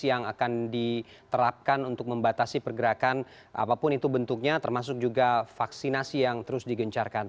yang akan diterapkan untuk membatasi pergerakan apapun itu bentuknya termasuk juga vaksinasi yang terus digencarkan